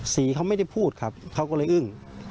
สีเขาไม่ได้พูดครับเขาก็เลยอึ้ง